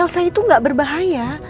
elsa itu gak berbahaya